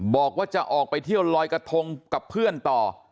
บอกว่าจะออกไปเที่ยวลอยกระทงกับเพื่อนต่อ